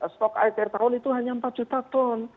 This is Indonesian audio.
stok air tahun itu hanya empat juta ton